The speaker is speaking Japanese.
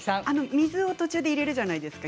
水を途中で入れるじゃないですか。